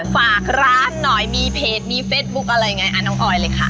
ฝากร้านหน่อยมีเพจมีเฟสบุ๊คอะไรไงน้องออยเลยค่ะ